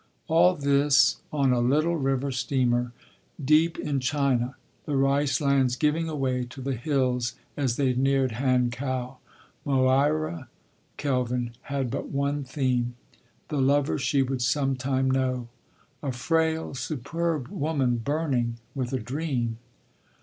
All this on a little river steamer, deep in China, the rice lands giving away to the hills as they neared Hankow. Moira Kelvin had but one theme—the lover she would some time know. A frail superb woman burning with a dream.